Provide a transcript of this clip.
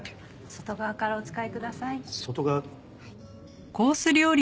外側からお使いください。外側。